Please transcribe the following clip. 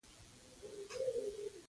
ما غوښتل چې څو شپې نور هم پاته شم.